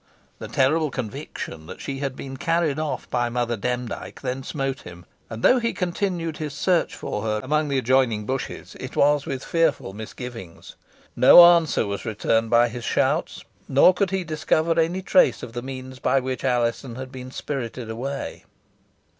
The terrible conviction that she had been carried off by Mother Demdike then smote him, and though he continued his search for her among the adjoining bushes, it was with fearful misgivings. No answer was returned to his shouts, nor could he discover any trace of the means by which Alizon had been spirited away.